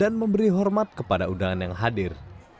dan memberi hormat kepada udangan yang hadir